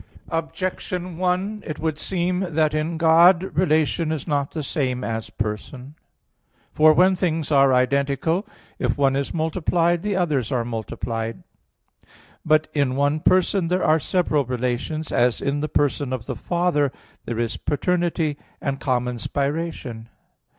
Objection 1: It would seem that in God relation is not the same as person. For when things are identical, if one is multiplied the others are multiplied. But in one person there are several relations; as in the person of the Father there is paternity and common spiration.